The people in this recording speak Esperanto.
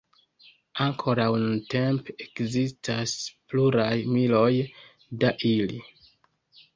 Ankoraŭ nuntempe ekzistas pluraj miloj da ili.